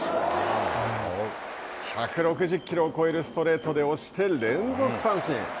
１６０キロを超えるストレートで押して、連続三振。